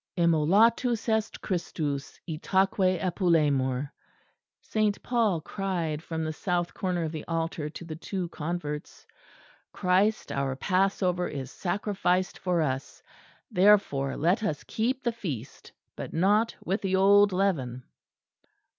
"Immolatus est Christus. Itaque epulemur," Saint Paul cried from the south corner of the altar to the two converts. "Christ our Passover is sacrificed for us; therefore let us keep the feast, but not with the old leaven."